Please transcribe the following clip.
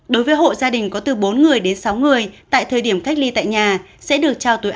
đối với hộ gia đình có từ bốn người đến sáu người tại thời điểm cách ly tại nhà sẽ được trao tối